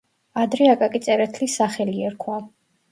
ადრე აკაკი წერეთლის სახელი ერქვა.